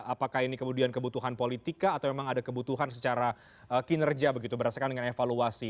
apakah ini kemudian kebutuhan politika atau memang ada kebutuhan secara kinerja begitu berdasarkan dengan evaluasi